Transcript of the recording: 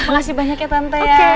makasih banyak ya tante ya